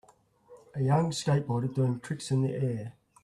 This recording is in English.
a young skateboarder doing tricks in the air